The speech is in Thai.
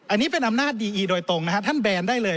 อันนี้เป็นอำนาจดีอีโดยตรงนะฮะท่านแบนได้เลย